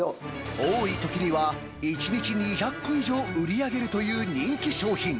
多いときには１日２００個以上売り上げるという人気商品。